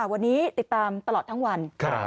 วันนี้ติดตามตลอดทั้งวัน